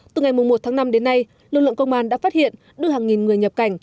từ ngày một tháng năm đến nay lực lượng công an đã phát hiện đưa hàng nghìn người nhập cảnh